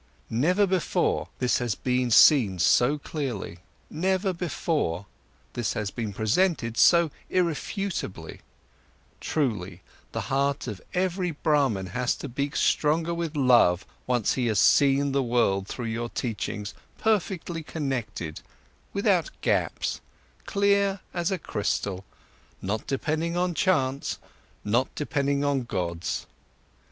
Never before, this has been seen so clearly; never before, this has been presented so irrefutably; truly, the heart of every Brahman has to beat stronger with love, once he has seen the world through your teachings perfectly connected, without gaps, clear as a crystal, not depending on chance, not depending on gods.